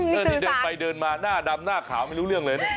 ที่เดินไปเดินมาหน้าดำหน้าขาวไม่รู้เรื่องเลยนะ